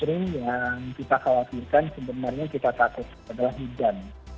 yang kita khawatirkan sebenarnya kita takut adalah hiburan